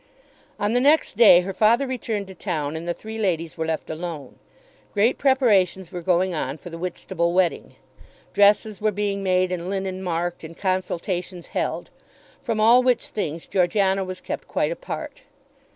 On the next day her father returned to town, and the three ladies were left alone. Great preparations were going on for the Whitstable wedding. Dresses were being made and linen marked, and consultations held, from all which things Georgiana was kept quite apart.